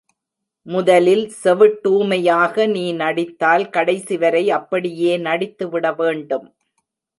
முதலில் செவிட்டூமையாக நீ நடித்தால் கடைசிவரை அப்படியே நடித்துவிட வேண்டும்.